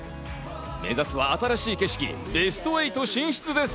目指すは新しい景色、ベスト８進出です。